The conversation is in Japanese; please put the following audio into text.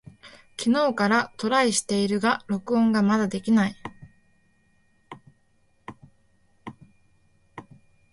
昨日からトライしているが録音がまだできない。